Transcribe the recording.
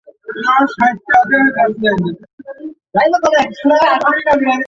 স্বাধীনতা সংগ্রামের যুক্ত হয়ে যাওয়ার কারণে।